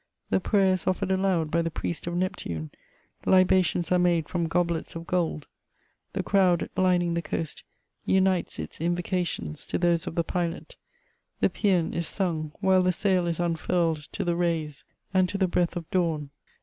The prayer is offered aloud by the priest of Neptune, libations are made from goblets of gold, the crowd lining the coast unites its invocations to those of the pilot, the pæan is sung while the sail is unfurled to the rays and to the breath of dawn.